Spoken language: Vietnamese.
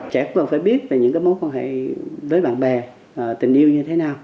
trẻ cũng cần phải biết về những cái mối quan hệ với bạn bè tình yêu như thế nào